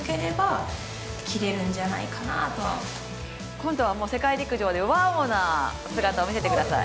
今度は世界陸上でＷＯＷ！な姿を見せてください。